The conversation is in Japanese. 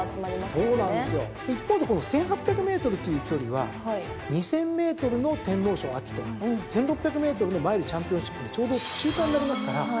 一方でこの１，８００ｍという距離は２，０００ｍの天皇賞と１，６００ｍのマイルチャンピオンシップのちょうど中間になりますから。